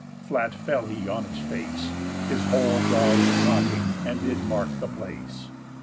Flat fell he on his face, His whole brows knocking, and did mark the place.